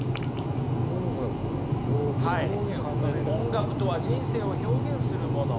音楽とは人生を表現するもの。